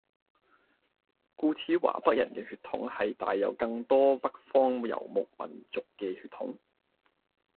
故此華北人嘅血統係帶有更多北方遊牧民族嘅血統